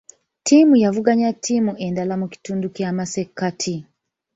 Ttiimu yavuganya ttiimu endala mu kitundu ky'amasekkati.